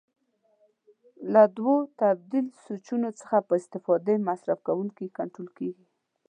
له دوو تبدیل سویچونو څخه په استفاده مصرف کوونکی کنټرول کېږي.